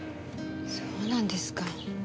そうなんですか。